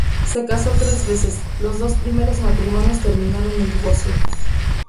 Se casó tres veces, los dos primeros matrimonios terminaron en divorcio.